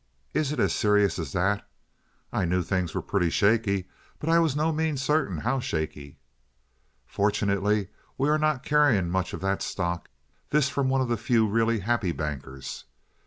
"Is it as serious as that?" "I knew things were pretty shaky, but I was by no means certain how shaky." "Fortunately, we are not carrying much of that stock." (This from one of the few really happy bankers.)